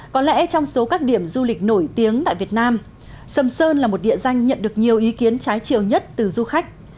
có lẽ trong số các điểm du lịch nổi tiếng tại việt nam sầm sơn là một địa danh nhận được nhiều ý kiến trái chiều nhất từ du khách